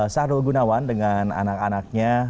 sahrul gunawan dengan anak anaknya